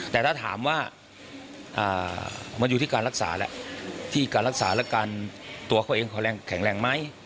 แต่ถ้าถามว่ามันอยู่ที่การรักษาแหละที่การรักษาและการตัวเขาเองเขาแข็งแรงไหม